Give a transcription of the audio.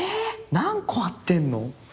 何個貼ってんの？